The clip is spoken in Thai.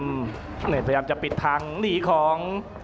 พยายามจะปิดทางหนีของ